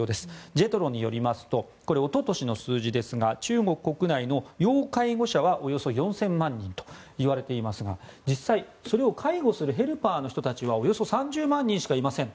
ジェトロによりますとこれはおととしの数字ですが中国国内の要介護者はおよそ４０００万人といわれていますが実際、それを介護するヘルパーの人たちはおよそ３０万人しかいません。